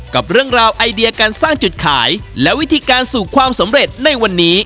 กับเรื่องราวไอเดียการสร้างจุดขายและวิธีการสู่ความสำเร็จในวันนี้